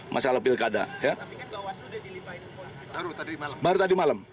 buat lp ya